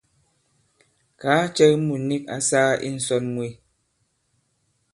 Kàa cɛ ki mût nik ǎ sāā i ǹsɔn mwe.